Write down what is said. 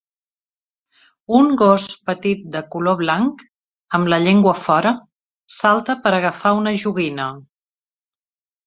Un gos petit de color blanc, amb la llengua fora, salta per agafar una joguina.